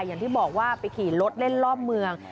อย่างที่บอกว่าไปขี่รถเล่นรอบเมือง